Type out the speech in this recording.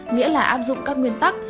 nghĩa là áp dụng các nguyên tắc